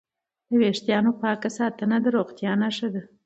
د وېښتانو پاک ساتنه د روغتیا نښه ده.